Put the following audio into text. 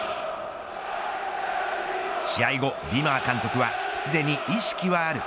試合後、ビマー監督はすでに意識はある。